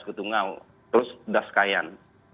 ketungau terus das kayan